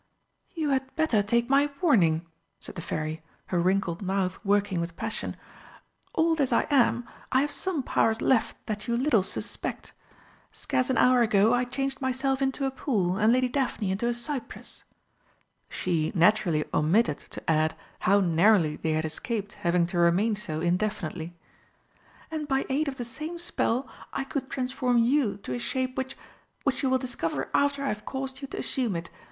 "You had better take my warning," said the Fairy, her wrinkled mouth working with passion. "Old as I am, I have some powers left that you little suspect. Scarce an hour ago I changed myself into a pool and Lady Daphne into a cypress" (she naturally omitted to add how narrowly they had escaped having to remain so indefinitely), "and by aid of the same spell I could transform you to a shape which which you will discover after I have caused you to assume it.